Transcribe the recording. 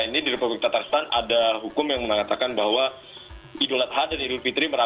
ini di republik tatarstan ada hukum yang mengatakan bahwa idul adha dan idul fitri